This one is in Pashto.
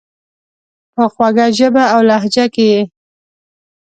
په خوږه ژبه اولهجه کي یې،